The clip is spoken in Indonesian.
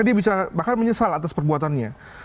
dia bisa bahkan menyesal atas perbuatannya